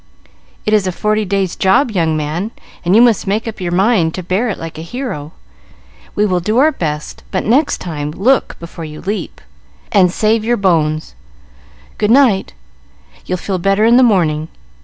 "It is a forty days' job, young man, and you must make up your mind to bear it like a hero. We will do our best; but next time, look before you leap, and save your bones. Good night; you'll feel better in the morning.